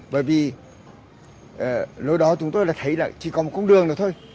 bởi vì lối đó chúng tôi là thấy là chỉ còn một con đường nữa thôi